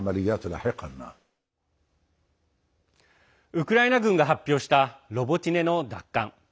ウクライナ軍が発表したロボティネの奪還。